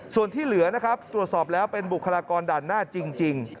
ส่วนที่เหลือนะครับตรวจสอบแล้วเป็นบุคลากรด่านหน้าจริง